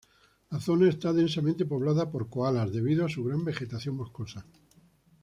La zona está densamente poblada por koalas debido a su gran vegetación boscosa.